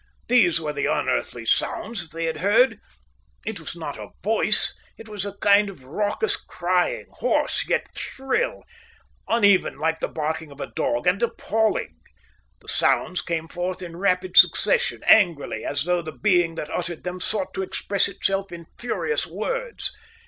These were the unearthly sounds that they had heard. It was not a voice, it was a kind of raucous crying, hoarse yet shrill, uneven like the barking of a dog, and appalling. The sounds came forth in rapid succession, angrily, as though the being that uttered them sought to express itself in furious words.